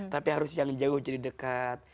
tapi harus yang jauh jadi dekat